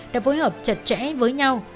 đã phối hợp chặt chẽ với nhau